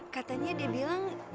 katanya dia bilang